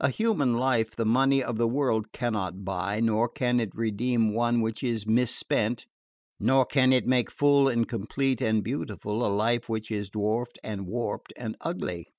A human life the money of the world cannot buy; nor can it redeem one which is misspent; nor can it make full and complete and beautiful a life which is dwarfed and warped and ugly.